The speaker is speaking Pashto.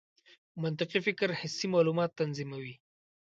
منطقي فکر حسي معلومات تنظیموي.